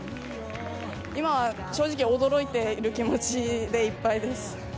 今は正直、驚いている気持ちでいっぱいです。